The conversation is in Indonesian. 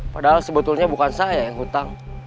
padahal sebetulnya bukan saya yang hutang